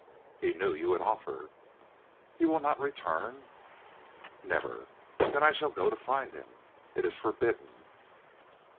"He knew you would offer." "He will not return?" "Never!" "Then I shall go to find him." "It is forbidden."